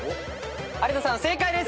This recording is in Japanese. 有田さん正解です。